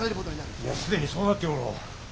いや既にそうなっておろう。